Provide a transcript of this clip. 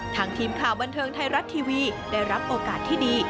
ทีมข่าวบันเทิงไทยรัฐทีวีได้รับโอกาสที่ดี